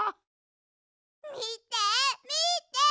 みてみて！